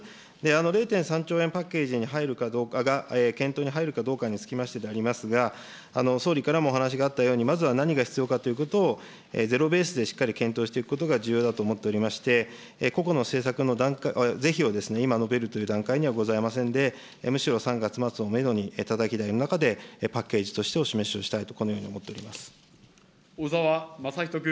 ０．３兆円パッケージに入るかどうかが、検討に入るかどうかにつきましてでありますが、総理からもお話があったように、まずは何が必要かということをゼロベースでしっかり検討していくことが重要だと思っておりまして、個々の政策の是非を今述べるという段階にはございませんで、むしろ３月末をメドに、たたき台の中でパッケージとしてお示ししたい小沢雅仁君。